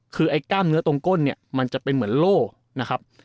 คือไอ้กล้ามเนื้อตรงก้นเนี่ยมันจะเป็นเหมือนโล่นะครับ